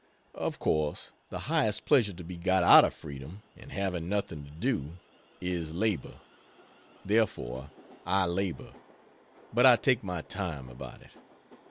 Of course the highest pleasure to be got out of freedom, and having nothing to do, is labor. Therefore I labor. But I take my time about it.